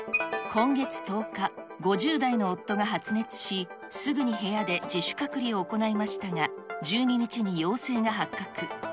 今月１０日、５０代の夫が発熱し、すぐに部屋で自主隔離を行いましたが、１２日に陽性が発覚。